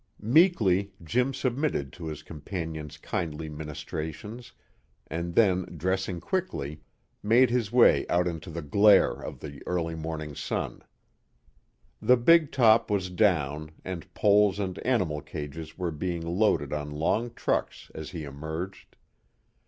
Meekly Jim submitted to his companion's kindly ministrations, and then dressing quickly, made his way out into the glare of the early morning sun. The big top was down, and poles and animal cages were being loaded on long trucks as he emerged.